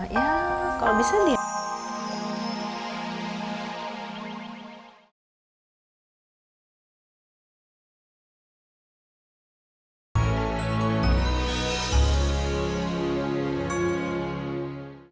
ya kalau bisa dia